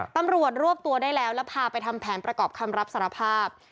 ตำรวจรวบตัวได้แล้วแล้วพาไปทำแผนประกอบคำรับสารภาพ